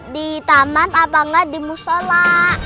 di taman apa enggak di musola